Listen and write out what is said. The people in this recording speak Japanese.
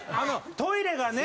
トイレがね